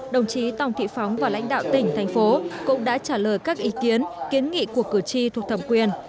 đồng chí tòng thị phóng và lãnh đạo tỉnh thành phố cũng đã trả lời các ý kiến kiến nghị của cử tri thuộc thẩm quyền